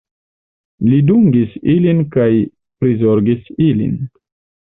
Li dungis ilin kaj prizorgis ilin.